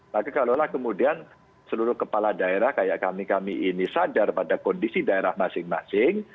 karena kalau lah kemudian seluruh kepala daerah kayak kami kami ini sadar pada kondisi daerah masing masing